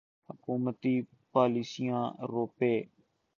حکومتی پالیسیاں روپے